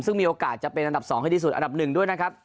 ซึ่งมีโอกาสจะเป็นอันดับ๒ให้ดีสุดอันดับหนึ่งด้วยนะครับ